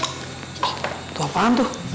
itu apaan tuh